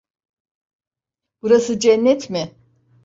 Burası cennet mi?